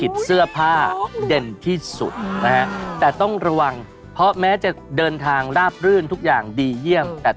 จะไปดึงหัวออกมาแล้วล้างแล้วยัดเข้าไป